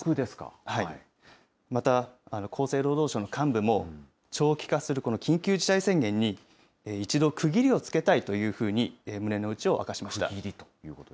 また、厚生労働省の幹部も、長期化する緊急事態宣言に、一度、区切りをつけたいというふうに胸の内を明かしました。